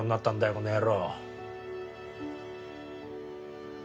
この野郎。